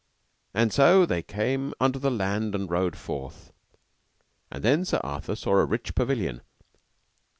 And so [they] came unto the land and rode forth, and then Sir Arthur saw a rich pavilion.